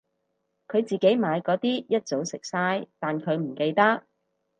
佢自己買嗰啲一早食晒但佢唔記得